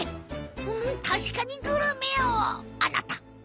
うんたしかにグルメ王あなた！